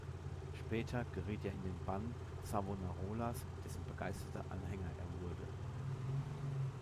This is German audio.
Später geriet er in den Bann Savonarolas, dessen begeisterter Anhänger er wurde.